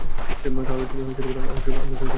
তাহলে তুমি আমাকে ফাসাবে কিভাবে?